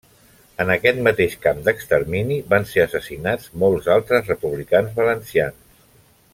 En aquest mateix camp d'extermini van ser assassinats molts altres republicans valencians.